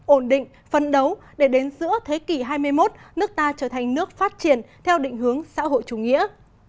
ổn định phân đấu để đến giữa thế kỷ hai mươi một nước ta trở thành nước phát triển theo định hướng xã hội chủ nghĩa